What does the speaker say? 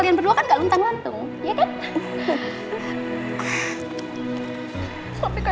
ibu jangan sedih ya